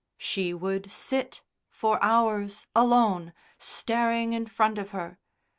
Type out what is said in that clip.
She would sit for hours alone, staring in front of her.